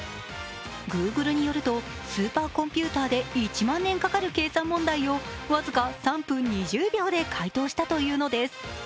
Ｇｏｏｇｌｅによるとスーパーコンピューターで１万年かかる計算問題を僅か３分２０秒で解答したというのです。